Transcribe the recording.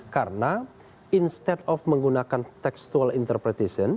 karena instead of menggunakan textual interpretation